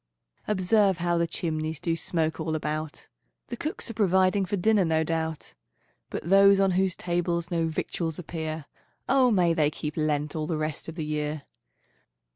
Observe how the chimneys Do smoke all about; The cooks are providing For dinner, no doubt; But those on whose tables No victuals appear, O may they keep Lent All the rest of the year.